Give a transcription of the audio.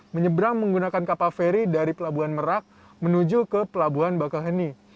menyeberang menggunakan kapal feri dari pelabuhan merak menuju ke pelabuhan bakaheni